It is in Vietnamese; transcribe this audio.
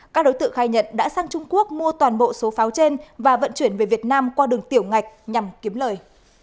các đối tượng khai nhận đã sang trung quốc mua toàn bộ số pháo trên và vận chuyển về việt nam qua đường tiểu ngạch nhằm kiếm lời